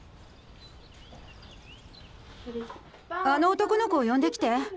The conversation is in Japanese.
あの男の子を呼んできて。